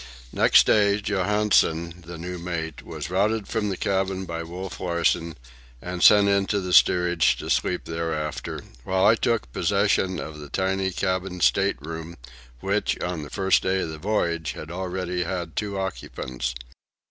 Next day Johansen, the new mate, was routed from the cabin by Wolf Larsen, and sent into the steerage to sleep thereafter, while I took possession of the tiny cabin state room, which, on the first day of the voyage, had already had two occupants.